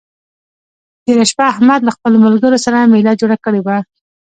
تېره شپه احمد له خپلو ملګرو سره مېله جوړه کړې وه.